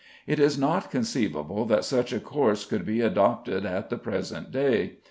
It is not conceivable that such a course could be adopted at the present day.